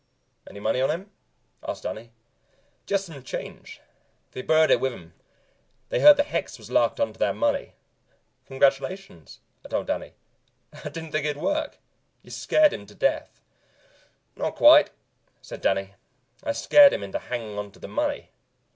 "Any money on him?" asked Danny. "Jest some change. They buried it with him; they heard the hex was locked onto that money." "Congratulations," I told Danny. "I didn't think it'd work. You scared him to death." "Not quite," said Danny. "I scared him into hanging onto the money.